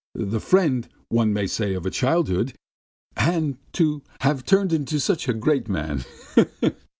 The friend, one may say, of childhood and to have turned into such a great man!